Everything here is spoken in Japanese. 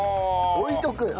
置いとく。